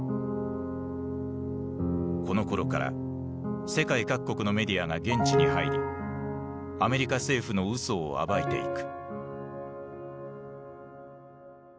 このころから世界各国のメディアが現地に入りアメリカ政府の嘘を暴いていく。